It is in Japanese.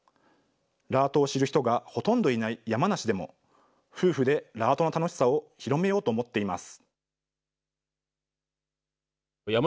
ラートを知る人がほとんどいない山梨でも、夫婦でラートの楽しさを広めようと思っています。